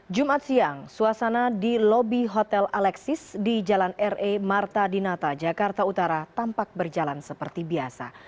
jumat siang suasana di lobi hotel alexis di jalan re marta dinata jakarta utara tampak berjalan seperti biasa